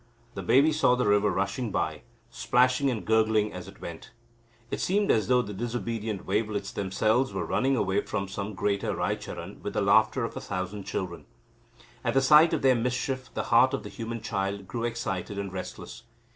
The baby saw the river rushing by, splashing and gurgling as it went. It seemed as though the disobedient wavelets themselves were running away from some greater Raicharan with the laughter of a thousand children. At the sight of their mischief, the heart of the human child grew excited and restless.